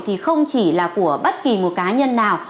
thì không chỉ là của bất kỳ một cá nhân nào